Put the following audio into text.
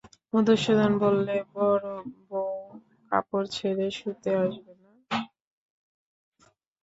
মধুসূদন বললে, বড়োবউ, কাপড় ছেড়ে শুতে আসবে না?